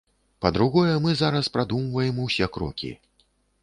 Па-другое, мы зараз прадумваем усе крокі.